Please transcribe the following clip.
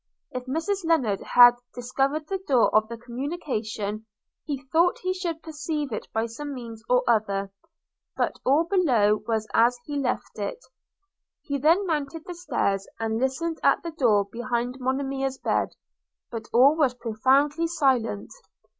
If Mrs Lennard had discovered the door of communication, he thought he should perceive it by some means or other – but all below was as he left it: – he then mounted the stairs, and listened at the door behind Monimia's bed, but all was profoundly silent.